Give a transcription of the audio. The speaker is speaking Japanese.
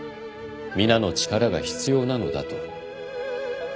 「皆の力が必要なのだ」と。